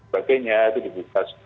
bagaimana itu dibuka